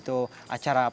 pada negara gelenak